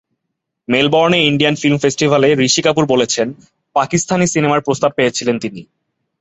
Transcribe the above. মেলবোর্নে Indian film ফেস্টিভ্যালে ঋষি কাপুর বলেছেন, পাকিস্তানি সিনেমার প্রস্তাব পেয়েছিলেন তিনি।